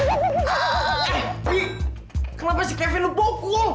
eh vy kenapa si kevin lo pukul